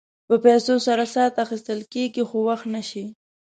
په پیسو سره ساعت اخيستلی شې خو وخت نه شې.